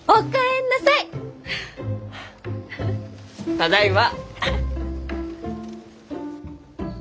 ただいま！